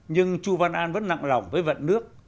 nhưng chu văn an vẫn nặng lòng với vận nước